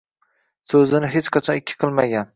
So’zini hech qachon ikki qilmagan